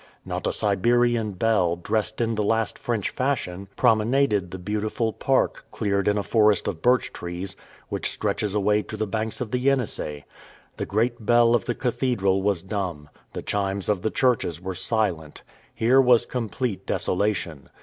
Not a Siberian belle, dressed in the last French fashion, promenaded the beautiful park, cleared in a forest of birch trees, which stretches away to the banks of the Yenisei! The great bell of the cathedral was dumb; the chimes of the churches were silent. Here was complete desolation.